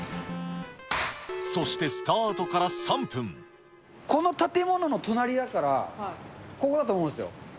そして、この建物の隣だから、ここだと思うんですよ。